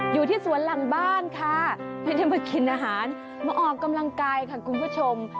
อยู่ที่สวนหลังบ้านค่ะไม่ได้มากินอาหารมาออกกำลังกายค่ะคุณผู้ชม